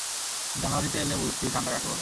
জানুয়ারিতে এলে বুঝতি ঠাণ্ডা কাকে বলে।